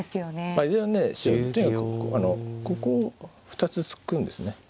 いずれにしろねとにかくここを２つ突くんですね。